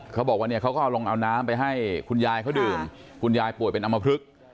เขาบอกว่าเนี่ยเขาก็เอาลงเอาน้ำไปให้คุณยายเขาดื่มคุณยายป่วยเป็นอำมพลึก